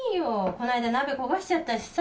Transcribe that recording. この間鍋焦がしちゃったしさ。